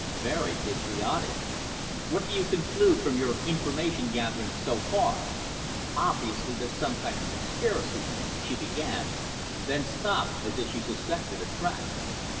"Very patriotic. What do you conclude from your information gathering so far?" "Obviously there's some kind of conspiracy " she began, then stopped as if she suspected a trap.